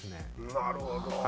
なるほど。